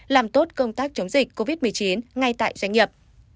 làm tốt công tác chống dịch covid một mươi chín ngay tại doanh nghiệp